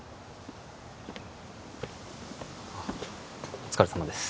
お疲れさまです